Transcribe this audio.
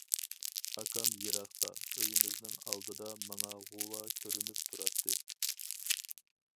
ئاكام يىراقتا- ئۆيىمىزنىڭ ئالدىدا ماڭا غۇۋا كۆرۈنۈپ تۇراتتى.